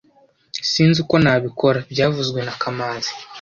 Sinzi uko nabikora byavuzwe na kamanzi